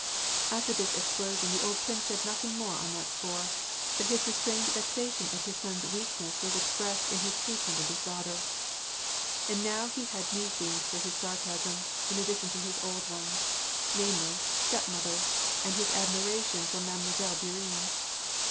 " After this explosion, the old prince said nothing more on that score, but his restrained vexation at his son's weakness was expressed in his treatment of liis daughter. And he now had new themes for his sarcasm, in addition to his old ones: namely, stepmothers, and liis admiration for Mademoiselle Bourienne.